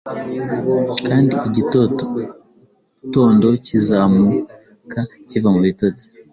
Kandi igitondo kizamuka kiva mubitotsi.